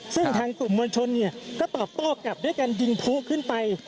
ซึ่งทางกลุ่มมวลชนก็ตอบโต้กลับด้วยการยิงผู้ขึ้นไป